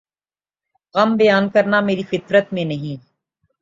غم بیان کرنا میری فطرت میں نہیں